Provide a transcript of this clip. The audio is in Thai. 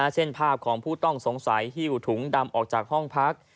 เช่นภาพของผู้ต้องสงสัยหิ้วถุงดำออกจากห้องพัก